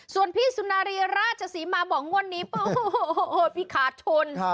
ส่วนพี่สุนารีราชศรีมาบอกงวดนี้โอ้โหพี่ขาดทุน